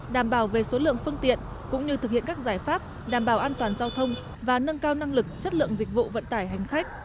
đảm bảo về số lượng phương tiện cũng như thực hiện các giải pháp đảm bảo an toàn giao thông và nâng cao năng lực chất lượng dịch vụ vận tải hành khách